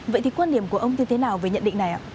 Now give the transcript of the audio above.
vậy thì quan điểm của ông thì thế nào về nhận định này ạ